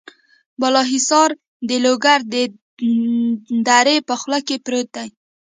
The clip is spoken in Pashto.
بالا حصار د لوګر د درې په خوله کې پروت دی.